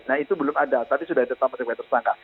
nah itu belum ada tapi sudah ditetapkan sebagai tersangka